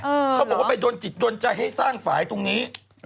เขาบอกว่าไปโดนจิตโดนใจให้สร้างฝ่ายตรงนี้